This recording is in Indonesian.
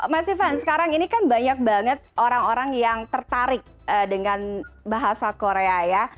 mas ivan sekarang ini kan banyak banget orang orang yang tertarik dengan bahasa korea ya